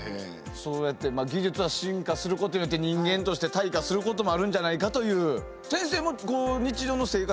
そうやって技術は進化することによって人間として退化することもあるんじゃないかという。